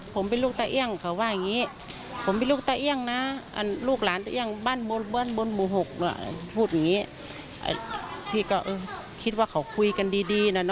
พี่ก็คิดว่าเขาคุยกันดีนะ